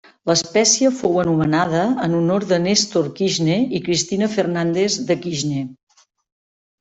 L'espècie fou anomenada en honor de Néstor Kirchner i Cristina Fernández de Kirchner.